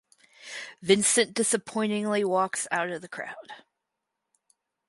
Vincent disappointingly walks out of the crowd.